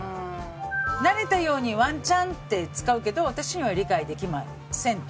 慣れたようにワンチャンって使うけど私には理解できませんと。